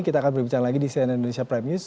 kita akan berbicara lagi di cnn indonesia prime news